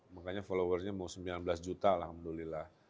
makanya followernya mau sembilan belas juta alhamdulillah